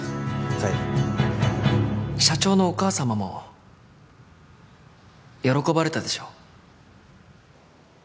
はい社長のお母さまも喜ばれたでしょう？